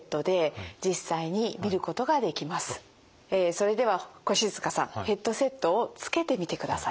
それでは越塚さんヘッドセットをつけてみてください。